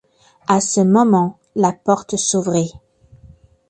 À ce moment, la porte s’ouvrit.